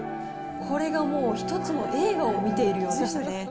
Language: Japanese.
これがもう、一つの映画を見ているようでしたね。